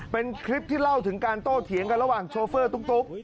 เป็นคลิปที่เล่าถึงการโต้เถียงกันระหว่างโชเฟอร์ตุ๊ก